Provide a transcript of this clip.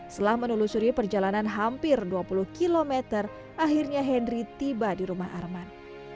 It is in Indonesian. setelah menelusuri perjalanan hampir dua puluh km akhirnya henry tiba di rumah arman